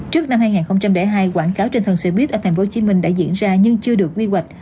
trước năm hai nghìn hai quảng cáo trên thần xoay biếc ở tp hcm đã diễn ra nhưng chưa được nguy hoạch